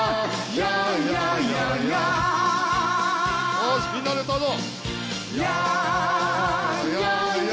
よしみんなで歌うぞ！